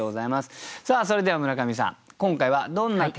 さあそれでは村上さん